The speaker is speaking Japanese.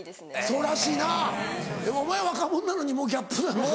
そうらしいなお前若者なのにもうギャップなのか。